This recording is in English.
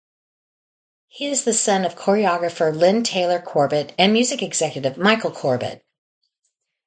He is is the son of choreographer Lynne Taylor-Corbett and Music Executive Michael Corbett.